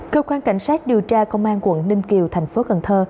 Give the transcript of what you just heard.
cơ quan cảnh sát điều tra công an quận ninh kiều thành phố cần thơ